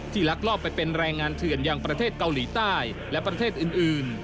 ลักลอบไปเป็นแรงงานเถื่อนอย่างประเทศเกาหลีใต้และประเทศอื่น